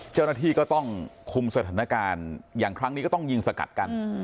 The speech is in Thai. เจ้าหน้าที่ก็ต้องคุมสถานการณ์อย่างครั้งนี้ก็ต้องยิงสกัดกัน